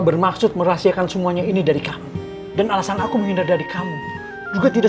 bermaksud merahasiakan semuanya ini dari kamu dan alasan aku menghindar dari kamu juga tidak